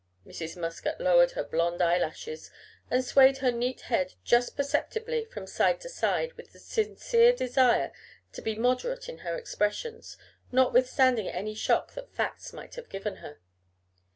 Mrs. Muscat lowered her blonde eyelashes and swayed her neat head just perceptibly from side to side, with a sincere desire to be moderate in her expressions, notwithstanding any shock that facts might have given her.